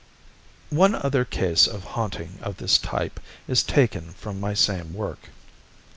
One other case of haunting of this type is taken from my same work.